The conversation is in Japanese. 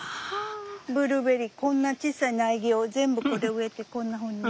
ブルーベリーこんな小さい苗木を全部これ植えてこんなふうに。